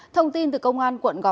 thông tin từ công an tp sơn la